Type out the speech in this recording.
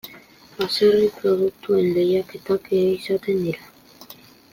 Baserri-produktuen lehiaketak ere izaten dira.